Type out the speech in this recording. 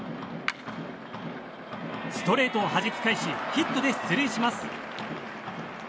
ストレートをはじき返しヒットで出塁します。